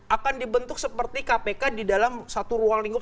akan dibentuk seperti kpk di dalam satu ruang lingkup